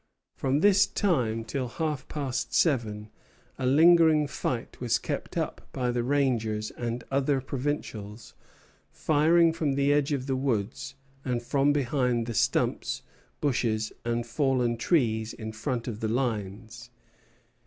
From this time till half past seven a lingering fight was kept up by the rangers and other provincials, firing from the edge of the woods and from behind the stumps, bushes, and fallen trees in front of the lines.